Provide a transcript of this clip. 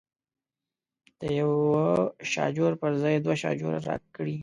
د یوه شاجور پر ځای دوه شاجوره راکړي.